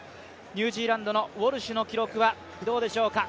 ニュージーランドのウォルシュの記録はどうでしょうか。